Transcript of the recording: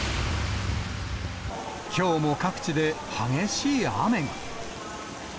きょうも各地で激しい雨が。